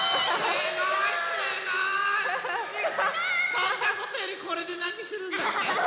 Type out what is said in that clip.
そんなことよりこれでなにするんだっけ？